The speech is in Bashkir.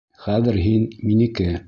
Хәҙер һин — минеке.